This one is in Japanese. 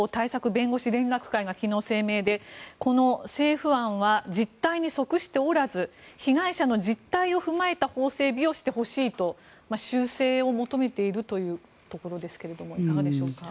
弁護士連絡会が昨日、声明でこの政府案は実態に即しておらず被害者の実態を踏まえた法整備をしてほしいと修正を求めているというところですがいかがでしょうか。